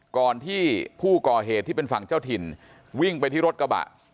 ก่อนที่ผู้ก่อเหตุที่เป็นฝั่งเจ้าถิ่นวิ่งไปที่รถกระบะ